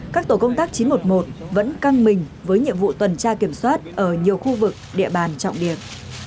các tổ công tác chín trăm một mươi một vẫn căng mình với nhiệm vụ tuần tra kiểm soát ở nhiều khu vực địa bàn trọng điểm